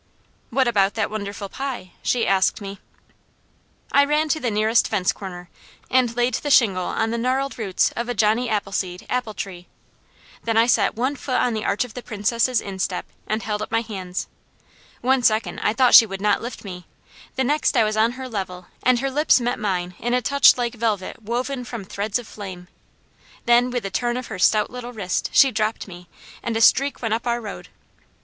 "What about that wonderful pie?" she asked me. I ran to the nearest fence corner, and laid the shingle on the gnarled roots of a Johnny Appleseed apple tree. Then I set one foot on the arch of the Princess' instep and held up my hands. One second I thought she would not lift me, the next I was on her level and her lips met mine in a touch like velvet woven from threads of flame. Then with a turn of her stout little wrist, she dropped me, and a streak went up our road.